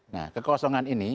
nah kekosongan ini